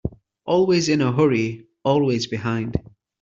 Always in a hurry, always behind.